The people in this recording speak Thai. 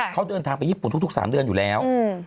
เขาเดินทางไปญี่ปุ่นทุก๓เดือนอยู่แล้ว